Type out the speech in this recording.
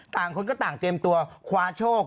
คนก็ต่างเตรียมตัวคว้าโชค